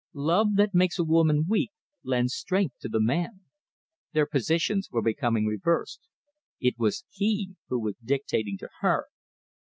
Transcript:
Love that makes a woman weak lends strength to the man. Their positions were becoming reversed. It was he who was dictating to her.